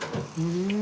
うん！